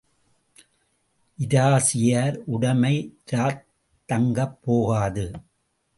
இரிசியார் உடைமை இராத் தங்கப் போகாது.